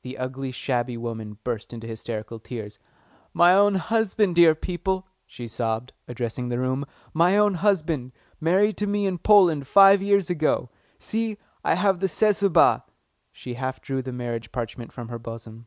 The ugly, shabby woman burst into hysterical tears. "My own husband, dear people," she sobbed, addressing the room. "My own husband married to me in Poland five years ago. See, I have the Cesubah!" She half drew the marriage parchment from her bosom.